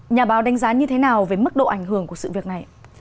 nhà báo đánh giá như thế nào về mức độ ảnh hưởng của sự việc này ạ